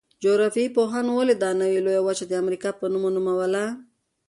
جغرافیه پوهانو ولې دا نوي لویه وچه د امریکا په نوم ونوموله؟